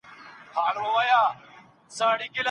ږیره لرونکی سړی ډوډۍ او مڼه نه راوړي.